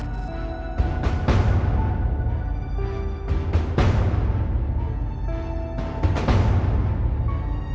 เวลาที่สุดตอนที่สุดตอนที่สุดตอนที่สุด